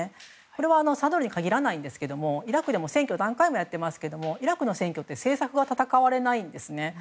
これは、サドル師に限りませんがイラクも選挙何回もやっていますがイラクの選挙は政策が戦われないんです。